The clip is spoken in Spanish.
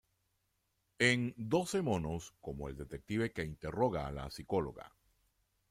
En "Doce monos", como el detective que interroga a la psicóloga.